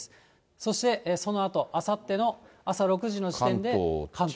そして、そのあと、あさっての朝６時の時点で関東。